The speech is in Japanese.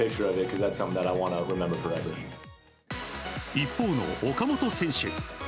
一方の岡本選手。